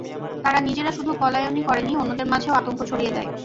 তারা নিজেরা শুধু পলায়নই করেনি অন্যদের মাঝেও আতঙ্ক ছড়িয়ে দেয়।